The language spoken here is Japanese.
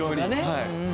はい。